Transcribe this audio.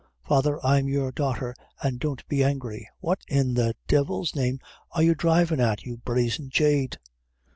Father, I'm your daughter, an' don't be angry!" "What, in the devil's name, are you drivin' at, you brazen jade?"